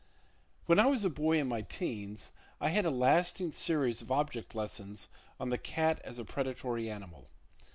When I was a boy in my 'teens, I had a lasting series of object lessons on the cat as a predatory animal.